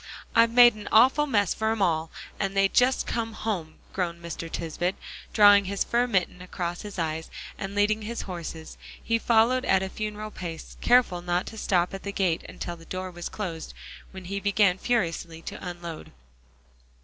"I've made an awful mess for 'em all, and they just come home," groaned Mr. Tisbett; drawing his fur mitten across his eyes, and leading his horses, he followed at a funeral pace, careful not to stop at the gate until the door was closed, when he began furiously to unload.